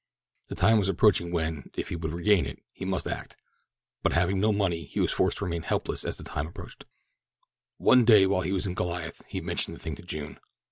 The time was approaching when, if he would regain it, he must act; but having no money, he was forced to remain helpless as the time approached. One day while he was in Goliath he mentioned the thing to June.